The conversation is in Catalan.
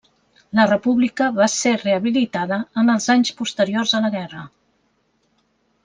La República va ser rehabilitada en els anys posteriors a la guerra.